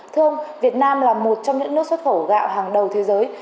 thưa ông việt nam là một trong những nước xuất khẩu gạo hàng đầu thế giới